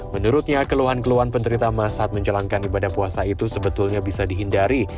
menurutnya keluhan keluhan penderita emas saat menjalankan ibadah puasa itu sebetulnya bisa dihindari